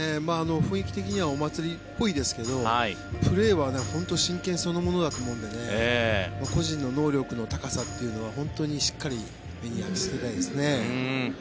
雰囲気的にはお祭りっぽいですけどプレーは真剣そのものだと思うので個人の能力の高さというのは本当にしっかり目に焼きつけたいですね。